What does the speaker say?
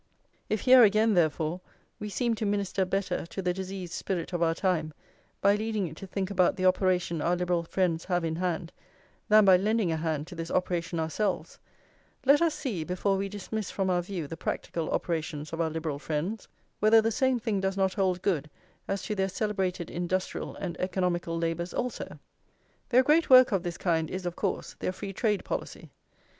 If here again, therefore, we seem to minister better to the diseased spirit of our time by leading it to think about the operation our Liberal friends have in hand, than by lending a hand to this operation ourselves, let us see, before we dismiss from our view the practical operations of our Liberal friends, whether the same thing does not hold good as to their celebrated industrial and economical labours also. Their great work of this kind is, of course, their free trade policy.